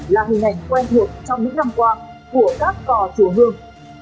là hình ảnh quen thuộc trong những năm qua của các cò chùa hương